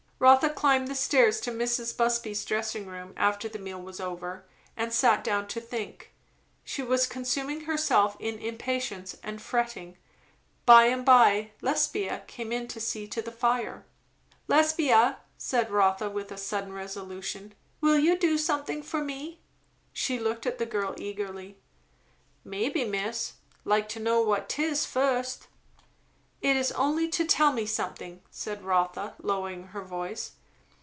Rotha climbed the stairs to Mrs. Busby's dressing room, after the meal was over, and sat down to think. She was consuming herself in impatience and fretting. By and by Lesbia came in to see to the fire. "Lesbia," said Rotha with sudden resolution, "will you do something for me?" She looked at the girl eagerly. "Mebbe, miss. Like to know what 'tis, fust." "It is only, to tell me something," said Rotha lowering her voice.